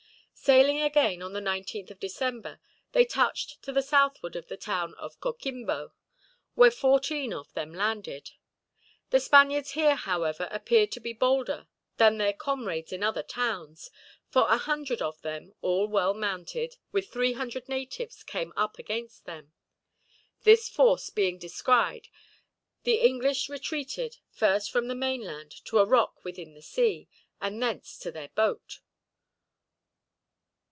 Sailing again on the 19th of December, they touched to the southward of the town of Coquimbo, where fourteen of them landed. The Spaniards here, however, appeared to be bolder than their comrades in other towns; for a hundred of them, all well mounted, with three hundred natives, came up against them. This force being descried, the English retreated, first from the mainland to a rock within the sea, and thence to their boat.